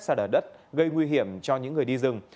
xa đở đất gây nguy hiểm cho những người đi rừng